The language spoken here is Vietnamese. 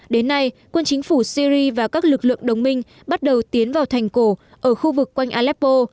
đến nay quân chính phủ syri và các lực lượng đồng minh bắt đầu tiến vào thành cổ ở khu vực quanh aleppo